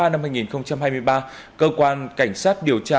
năm hai nghìn hai mươi ba cơ quan cảnh sát điều tra